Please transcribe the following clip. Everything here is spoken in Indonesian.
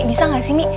bisa gak sih mi